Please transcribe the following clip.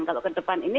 kalau ke depan ini